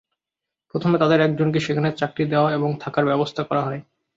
প্রথমে তাদের একজনকে সেখানে চাকরি দেওয়া এবং থাকার ব্যবস্থা করা হয়।